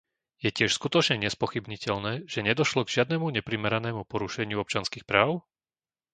Je tiež skutočne nespochybniteľné, že nedošlo k žiadnemu neprimeranému porušeniu občianskych práv?